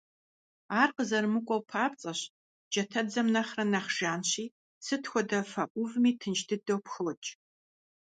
Ар къызэрымыкӀуэу папцӀэщ, джатэдзэм нэхърэ нэхъ жанщи, сыт хуэдэ фэ Ӏувми тынш дыдэу пхокӀ.